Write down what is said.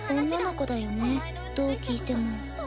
女の子だよねどう聞いても。